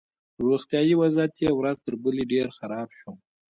روغتیایي وضعیت یې ورځ تر بلې ډېر خراب شو